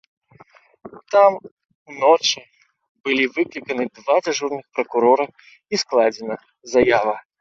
Там уночы былі выкліканы два дзяжурных пракурора і складзена заява.